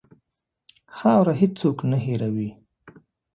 خاوره هېڅ څوک نه هېروي.